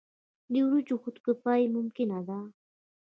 د وریجو خودکفايي ممکنه ده.